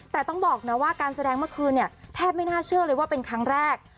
แต่ต้องบอกนะว่าการแสดงเมื่อคืนเนี่ยแทบไม่น่าเชื่อเลยว่าเป็นครั้งแรก